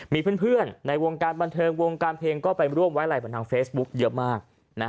มีเพื่อนในวงการบันเทิงวงการเพลงก็ไปร่วมไว้อะไรบนทางเฟซบุ๊คเยอะมาก